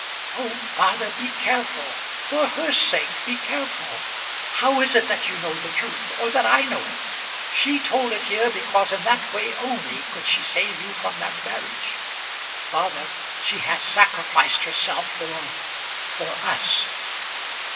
"Oh, father, be careful. For her sake be careful. How is it that you know the truth; or that I know it? She told it here because in that way only could she save you from that marriage. Father, she has sacrificed herself for for us."